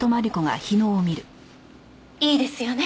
いいですよね？